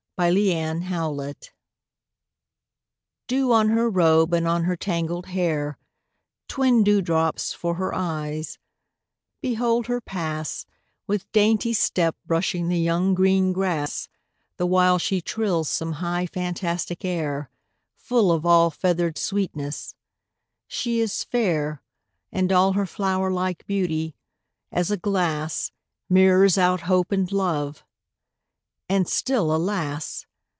MY LADY APRIL Dew on her robe and on her tangled hair; Twin dewdrops for her eyes; behold her pass, With dainty step brushing the young, green grass, The while she trills some high, fantastic air, Full of all feathered sweetness: she is fair, And all her flower like beauty, as a glass, Mirrors out hope and love: and still, alas!